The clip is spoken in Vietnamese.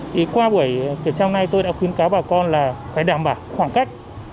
thì qua buổi kiểm trao nay tôi đã khuyến cáo bà con là phải đảm bảo khoảng cách